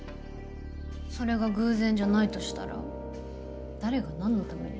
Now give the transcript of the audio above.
それが偶然じゃないとしたら誰が何のために？